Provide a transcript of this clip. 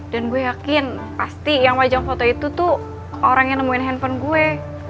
dan gue yakin pasti yang pajang foto itu tuh orang yang nemuin handphone gue